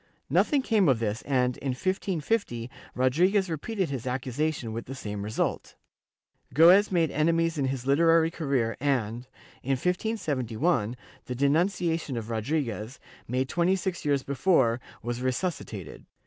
Nothing came of this and, in 1550, Rodriguez repeated his accusation, with the same result. Goes made enemies in his hterary career and, in 1571, the denunciation of Rodriguez, made twenty six years before, was resuscitated.